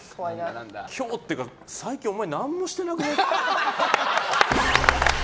今日っていうか最近お前何にもしてなくね？